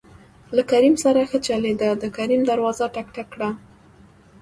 له کريم سره ښه چلېده د کريم دروازه ټک، ټک کړه.